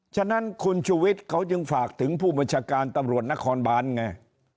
ฉะนั้นคุณชุวิตเขาจึงฝากถึงผู้บัญชาการตำรวจนครบานไง